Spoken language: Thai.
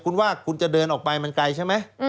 คุณว่าคุณจะเดินออกไปมันไกลใช่ไหม